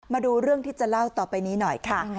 มาดูเรื่องที่จะเล่าต่อไปนี้หน่อยค่ะ